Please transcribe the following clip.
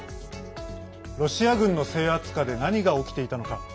ロシア軍の制圧下で何が起きていたのか。